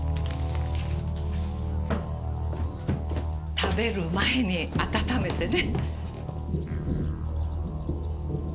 食べる前に温めてね。